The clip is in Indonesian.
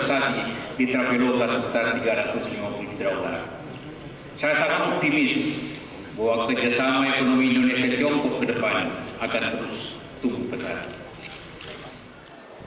saya sangat optimis bahwa kerjasama ekonomi indonesia jongkok ke depan akan terus tumbuh peta